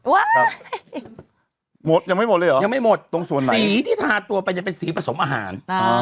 หมดยังไม่หมดเลยเหรอยังไม่หมดตรงส่วนไหนสีที่ทาตัวไปเนี่ยเป็นสีผสมอาหาร